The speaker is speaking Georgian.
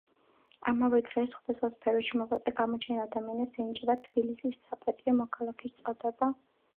ამავე დღეს სხვადასხვა სფეროში მოღვაწე გამოჩენილ ადამიანებს ენიჭებათ თბილისის საპატიო მოქალაქის წოდება.